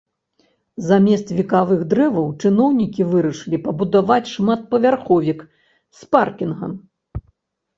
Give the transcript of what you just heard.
Замест векавых дрэваў чыноўнікі вырашылі пабудаваць шматпавярховік з паркінгам.